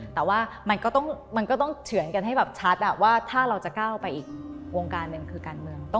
แต่ว่ามันก็ต้องเฉือนกันให้แบบชัดว่าถ้าเราจะก้าวไปอีกวงการหนึ่งคือการเมืองต่อ